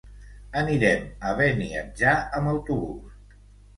Anirem a Beniatjar amb autobús.